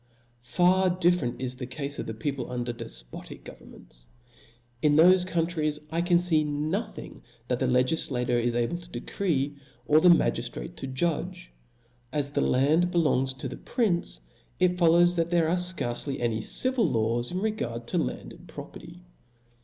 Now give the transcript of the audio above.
Far diSerent is the cafe of the people under defpo tic governments. In thofe countries I can fee no thing that the legiflator is able to decree, or the magiftrate to judge. As the lands belong to the prince, it follows, that there are fcarce any civil laws in regard to landed property.